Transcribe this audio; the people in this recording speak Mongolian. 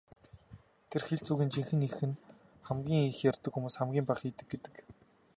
Тэр хэлц үгийн жинхэнэ эх нь "хамгийн их ярьдаг хүмүүс хамгийн бага хийдэг" гэдэг.